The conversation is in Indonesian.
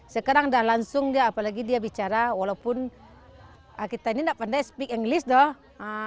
sekarang udah langsung dia apalagi dia bicara walaupun kita ini tidak pandai speak and list dong